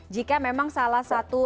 jika memang salah satu